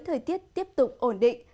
thời tiết tiếp tục ổn định